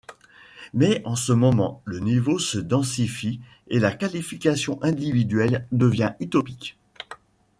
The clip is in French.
Mais à ce moment, le niveau se densifie et la qualification individuelle devient utopique.